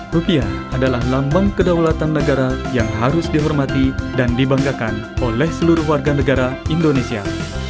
rupiah adalah lambang kedaulatan negara yang harus dihormati dan dibanggakan oleh seluruh warga negara indonesia